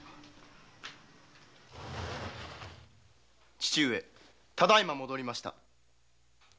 父上ただいま戻りました。